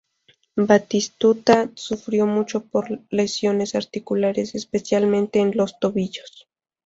Batistuta sufrió mucho por lesiones articulares, especialmente en sus tobillos.